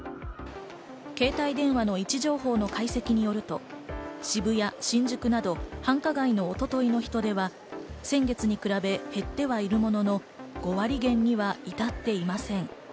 携帯電話の位置情報の解析によると、渋谷、新宿など繁華街の一昨日の人出は先月に比べ減ってはいるものの、５割減には至っていません。